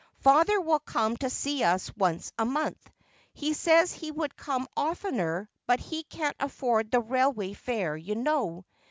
Father will come to see us once a month. He says he would come oftener, but he can't afford the railway fare, j 7 ou know.